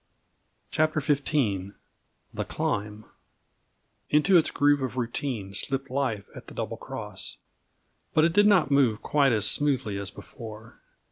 CHAPTER XV The Climb Into its groove of routine slipped life at the Double Cross, but it did not move quite as smoothly as before.